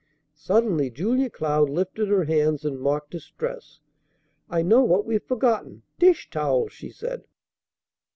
Suddenly Julia Cloud lifted her hands in mock distress. "I know what we've forgotten! Dish towels!" she said.